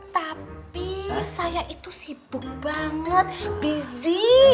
tapi saya itu sibuk banget bizi